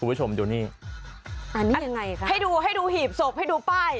คุณผู้ชมดูนี่อันนี้ยังไงคะให้ดูให้ดูหีบศพให้ดูป้าย